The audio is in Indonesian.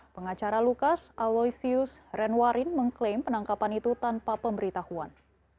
pengacara lukas aloysius renwarin mengklaim penangkapan itu tanpa pemberitahuan